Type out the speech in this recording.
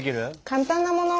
簡単なもの。